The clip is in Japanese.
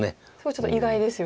ちょっと意外ですよね。